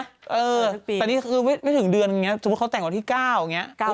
ตอนนี้ไม่ถึงเดือนแบบนี้เขาแต่งวันที่เก้าอย่างนี้